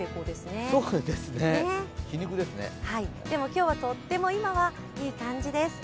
今日は、とっても今はいい感じです。